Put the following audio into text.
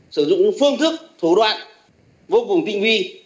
sử dụng những phương thức thủ đoạn vô cùng tinh vi